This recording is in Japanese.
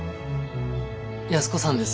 安子さんです。